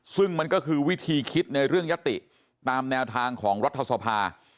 ซึ่งมันก็คือวิธีคิดในเรื่องยติตามแนวทางของรัฐสภา